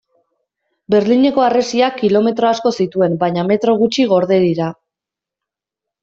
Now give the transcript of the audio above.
Berlineko harresiak kilometro asko zituen baina metro gutxi gorde dira.